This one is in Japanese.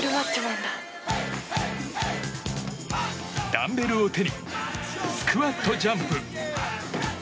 ダンベルを手にスクワットジャンプ。